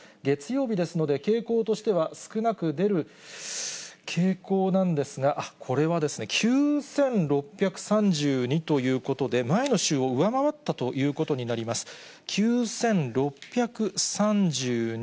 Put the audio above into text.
月曜日ですので、傾向としては少なく出る傾向なんですが、これはですね、９６３２ということで、前の週を上回ったということになります。